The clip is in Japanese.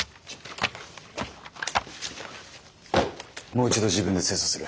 もう一度自分で精査する。